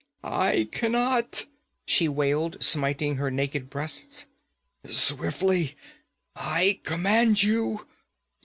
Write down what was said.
'I cannot!' she wailed, smiting her naked breasts. 'Swiftly, I command you!'